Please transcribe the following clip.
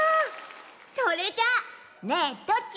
それじゃ「ねえどっち？」